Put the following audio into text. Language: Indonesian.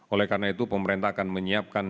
oleh karena itu pemerintah akan menyiapkan